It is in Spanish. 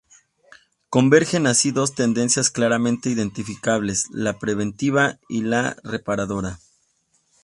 Convergen así dos tendencias claramente identificables, la preventiva y la reparadora.